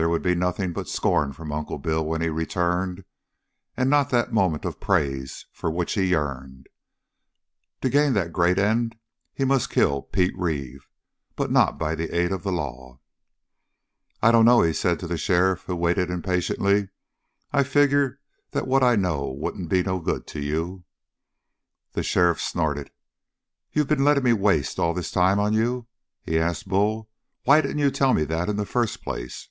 There would be nothing but scorn from Uncle Bill when he returned, and not that moment of praise for which he yearned. To gain that great end he must kill Pete Reeve, but not by the aid of the law. "I dunno," he said to the sheriff who waited impatiently. "I figure that what I know wouldn't be no good to you." The sheriff snorted. "You been letting me waste all this time on you?" he asked Bull. "Why didn't you tell me that in the first place?"